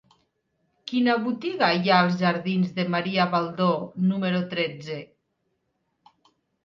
Quina botiga hi ha als jardins de Maria Baldó número tretze?